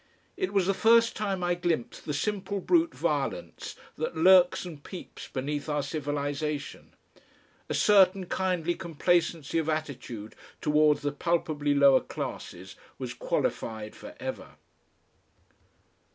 It was the first time I glimpsed the simple brute violence that lurks and peeps beneath our civilisation. A certain kindly complacency of attitude towards the palpably lower classes was qualified for ever.